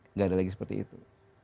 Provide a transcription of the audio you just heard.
nggak ada lagi seperti itu